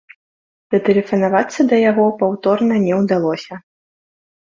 Датэлефанавацца да яго паўторна не ўдалося.